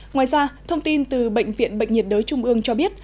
ngoài ra thông tin từ bệnh viện bệnh nhiệt đới trung ương cho biết